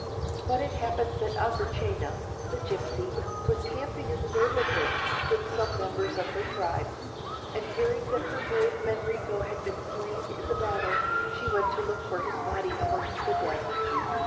But it happened that Azucena, the gipsy, was camping in the neighbourhood, with some members of her tribe; and hearing that her brave Manrico had been slain in the battle, she went to look for his body amongst the dead.